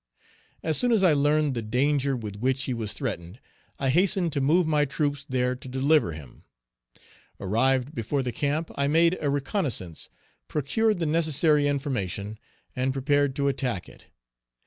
As soon as I learned the danger with which he was threatened, I hastened to move my troops there to deliver him. Arrived before the camp, I made a reconnoissance, procured the necessary information and prepared to attack it.